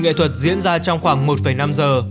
nghệ thuật diễn ra trong khoảng một năm giờ